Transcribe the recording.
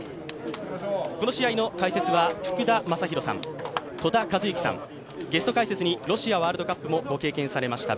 この試合の解説は福田正博さん、戸田和幸さん、ゲスト解説にロシアワールドカップもご経験されました